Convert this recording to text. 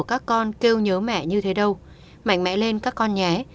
các con kêu nhớ mẹ như thế đâu mạnh mẽ lên các con nhé